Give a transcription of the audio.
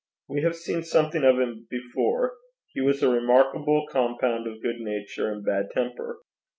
We have seen something of him before: he was a remarkable compound of good nature and bad temper.